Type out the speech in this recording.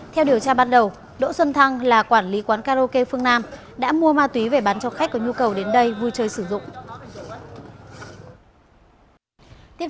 theo điều tra ban đầu đỗ xuân thăng là quản lý quán karaoke phương nam đã mua ma túy về bán cho khách có nhu cầu đến đây vui chơi sử dụng